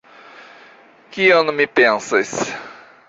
Kion mi pensas?